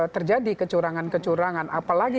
terjadi kecurangan kecurangan apalagi